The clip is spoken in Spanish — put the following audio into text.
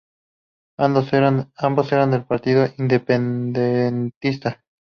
Ambos eran del partido independentista.